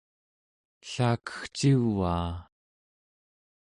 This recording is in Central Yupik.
ellakegcivaa!